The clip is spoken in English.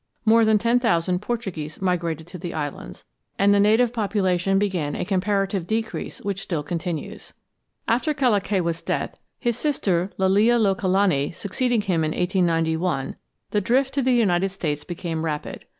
More than ten thousand Portuguese migrated to the islands, and the native population began a comparative decrease which still continues. After Kalakaua's death, his sister Liliuokalani succeeding him in 1891, the drift to the United States became rapid.